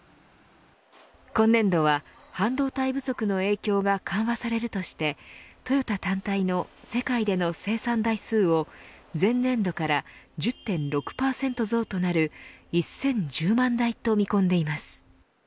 今年度は半導体不足の影響が緩和されるとしてトヨタ単体の世界での生産台数を前年度から１０．６％増となる１０１０万台と見込んでいます。